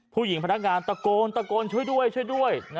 พนักงานตะโกนตะโกนช่วยด้วยช่วยด้วย